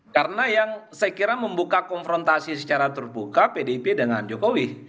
karena yang saya kira membuka konfrontasi secara terbuka pdip dengan jokowi